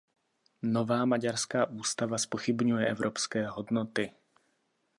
Nová maďarská ústava zpochybňuje evropské hodnoty.